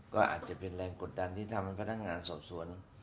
ก็อาจจะเป็นแรงกดดันที่ทำให้พนักงานสอบสวน